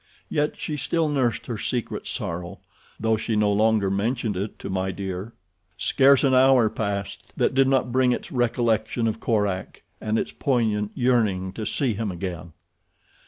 Yet she still nursed her secret sorrow, though she no longer mentioned it to My Dear. Scarce an hour passed that did not bring its recollection of Korak, and its poignant yearning to see him again.